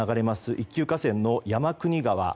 一級河川の山国川。